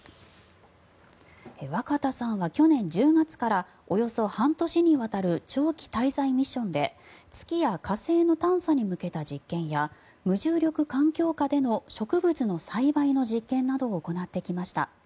若田さんは去年１０月からおよそ半年にわたる長期滞在ミッションで月や火星の探査に向けた実験や無重力環境下での植物の栽培の実験などを行ってきました。